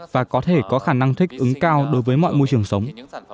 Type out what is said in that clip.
và có thể có khả năng thích ứng cao đối với mọi môi trường sống